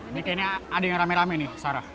ini kayaknya ada yang rame rame nih sarah